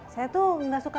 saya tuh gak suka